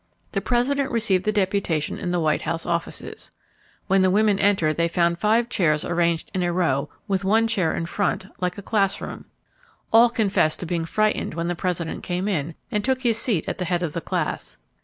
The President received the deputation in the White House Offices. When the women entered they found five chairs arranged in a row with one chair in front, like a class room. All confessed to being frightened when the President came in and took his seat at the head of the class.